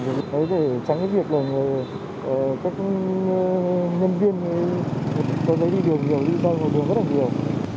đấy để tránh cái việc là các nhân viên cấp giấy đi đường nhiều lưu thông của đường rất là nhiều